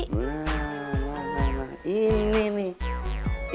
nah nah nah ini nih